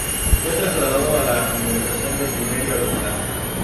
Fue trasladado a la administración de Siberia Oriental.